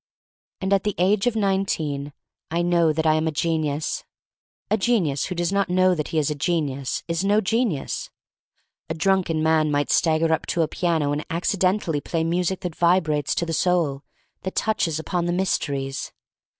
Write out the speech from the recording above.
And at the age of nineteen I know that I am a genius. A genius who does not know that he is a genius is no genius. A drunken man might stagger up to a piano and accidentally play music that vibrates to the soul — that touches upon the mys teries.